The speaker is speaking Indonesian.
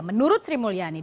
menurut sri mulyani